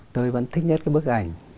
tôi vẫn thích nhất cái bức ảnh